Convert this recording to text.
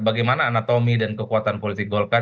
bagaimana anatomi dan kekuatan politik golkar